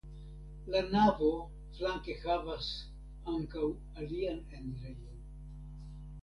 La navo flanke havas ankaŭ alian enirejon.